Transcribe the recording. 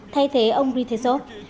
thay thế ông ri tae sop